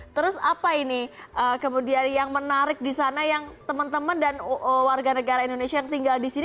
terus apa ini kemudian yang menarik di sana yang teman teman dan warga negara indonesia yang tinggal di sini